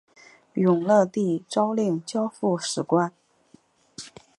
永乐帝诏令交付史官。